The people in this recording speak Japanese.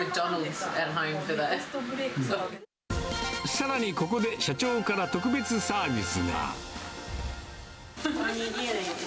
さらにここで社長から特別サービスが。